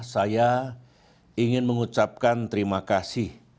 saya ingin mengucapkan terima kasih